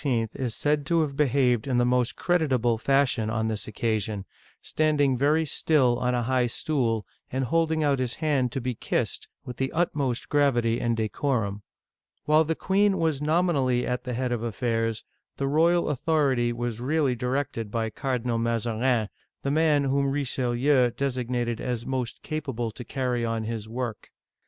is said to have behaved in the most creditable fashion on this occasion, standing very still on a high stool, and holding out his hand to be kissed, with the utmost gravity and decorum. While the queen was nominally at the head of affairs, the royal authority was really directed by Cardinal Mazarin, the man whom Richelieu designated as most capable to carry on his work.